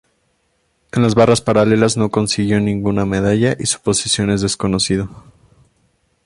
En las barras paralelas no consiguió ninguna medalla y su posición es desconocido.